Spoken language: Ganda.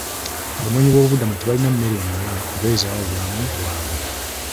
Abanoonyi b'obubuddamu tebalina mmere emala kubeezawo bulamu bwabwe.